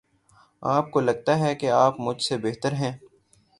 آپ کو لگتا ہے کہ آپ مجھ سے بہتر ہیں۔